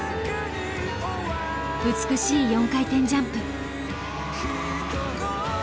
美しい４回転ジャンプ。